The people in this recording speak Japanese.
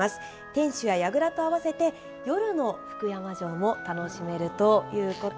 天守や櫓と合わせて夜の福山城も楽しめるということです。